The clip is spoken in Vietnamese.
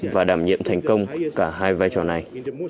và đảm nhiệm thành công cả hai vai trò này